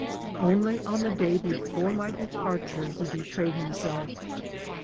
Only on the day before my departure he betrayed himself.